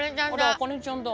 茜ちゃんだ。